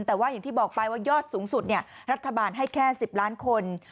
แต่ว่าอย่างที่บอกไปว่ายอดสูงสุดรัฐบาลให้แค่๑๐ล้านคน